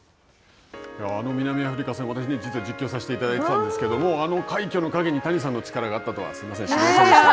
南アフリカ戦の私、実は実況させていただいたんですけど、あの快挙の陰に谷さんの力があったとは知りませんでし